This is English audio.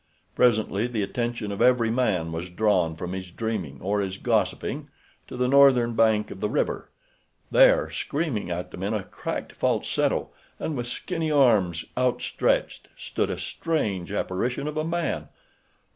Presently the attention of every man was drawn from his dreaming or his gossiping to the northern bank of the river. There, screaming at them in a cracked falsetto and with skinny arms outstretched, stood a strange apparition of a man.